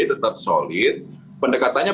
tetap solid pendekatannya